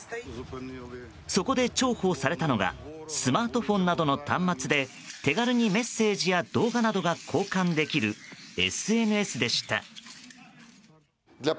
そこで重宝されたのがスマートフォンなどの端末で手軽にメッセージや動画などが交換できるＳＮＳでした。